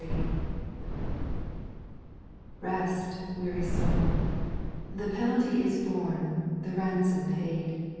T\ EST, weary soul I it The penalty is borne, the ransom paid.